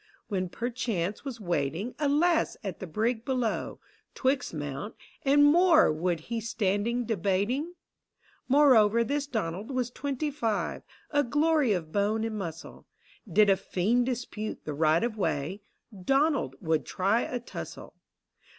— when perchance was waiting A lass at the brig below, — 'twixt mount And moor would he standing debating ? Moreover this Donald was twenty five, A glory of bone and muscle : Did a fiend dispute the right of way, Donald would try a tussle.